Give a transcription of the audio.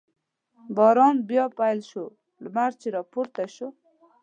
باران بیا پیل شو، لمر چې را پورته شو.